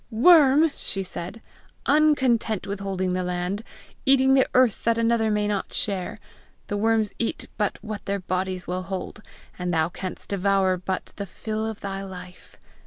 "Worm!" she said, "uncontent with holding the land, eating the earth that another may not share! the worms eat but what their bodies will hold, and thou canst devour but the fill of thy life!